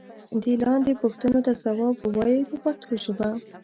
دې لاندې پوښتنو ته ځواب و وایئ په پښتو ژبه.